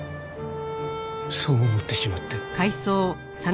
そう思ってしまって。